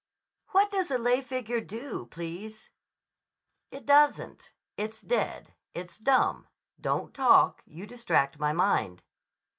"What does a lay figure do, please?" "It doesn't. It's dead. It's dumb. Don't talk. You distract my mind."